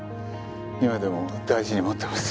今でも大事に持ってます。